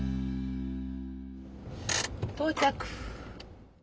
到着！